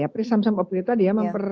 pres samson o'brien tadi ya